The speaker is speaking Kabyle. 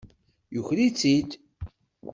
Yuker-itt-id.